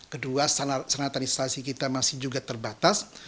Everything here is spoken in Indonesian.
kedua senatanisasi kita masih juga terbatas